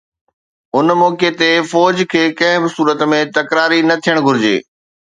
ان موقعي تي فوج کي ڪنهن به صورت ۾ تڪراري نه ٿيڻ گهرجي.